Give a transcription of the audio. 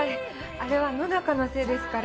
あれは野中のせいですから。